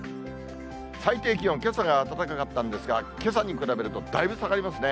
最低気温、けさがあったかかったんですが、けさに比べるとだいぶ下がりますね。